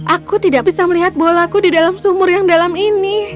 aku tidak bisa melihat bolaku di dalam sumur yang dalam ini